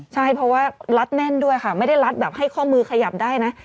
ใช่เพราะว่ารัดแน่นด้วยค่ะไม่ได้รัดแบบให้ข้อมือขยับได้นะ